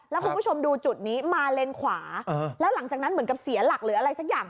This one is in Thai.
แล้วคุณผู้ชมดูจุดนี้มาเลนขวาแล้วหลังจากนั้นเหมือนกับเสียหลักหรืออะไรสักอย่าง